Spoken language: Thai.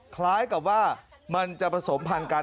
คล้ายกับว่ามันจะผสมพันธ์กัน